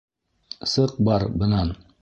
Сыҡ бар бынан.